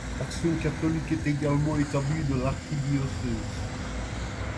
L'Action catholique est également établie dans l'archidiocèse.